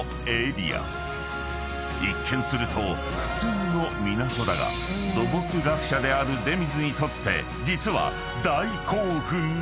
［一見すると普通の港だが土木学者である出水にとって実は大興奮の場所］